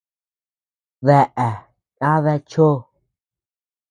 ¿Daë yada chó?